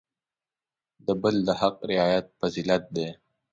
د بل د حق رعایت فضیلت دی.